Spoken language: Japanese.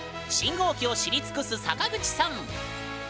信号機を知り尽くす坂口さん